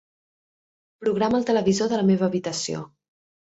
Programa el televisor de la meva habitació.